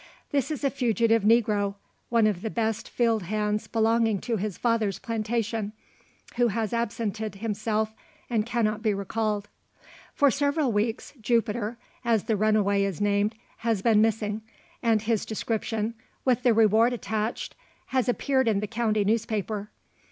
This is a fugitive negro one of the best field hands belonging to his father's plantation who has absented himself, and cannot be recalled. For several weeks "Jupiter" as the runaway is named has been missing; and his description, with the reward attached, has appeared in the county newspaper.